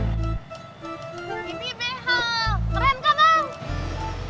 keren gak bang